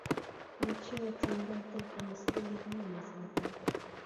مات شوی څنګل تل د لستوڼي دننه ساته.